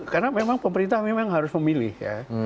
karena memang pemerintah memang harus memilih ya